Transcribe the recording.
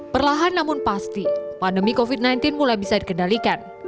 perlahan namun pasti pandemi covid sembilan belas mulai bisa dikendalikan